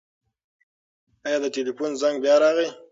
ایا د تلیفون زنګ بیا راغی؟